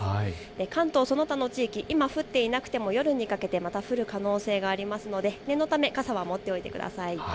関東、その他の地域、今降っていなくても夜にかけてまた降る可能性がありますので念のため傘は持っていてください。